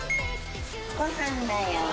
ごはんだよ。